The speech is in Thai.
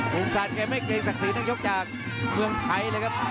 กรุงสันจะไม่เกร็งศักดิ์ศีลทางยกจากเมืองไทยเลยครับ